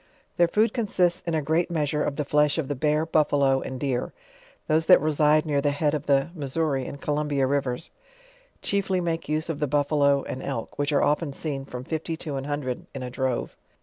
Their food consists in a great measure of the flesh of the bar, buffalo, and deer. Those that reside near the head of the Missouri,, and Columbia rivers, chiefly make use of the LEWIS AND CLARKE. 47 buffalo and elk, which arc often seen from fifty to an hun dred in a drove.